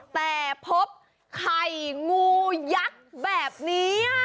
แต่พบไข่งูยักษ์แบบนี้